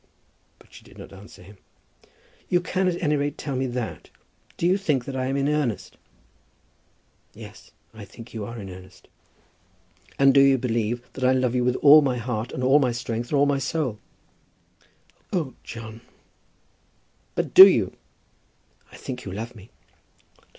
But she did not answer him. "You can at any rate tell me that. Do you think that I am in earnest?" "Yes, I think you are in earnest." "And do you believe that I love you with all my heart and all my strength and all my soul?" "Oh, John!" "But do you?" "I think you love me."